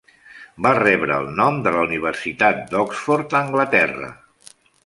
Va rebre el nom de la Universitat d'Oxford, a Anglaterra.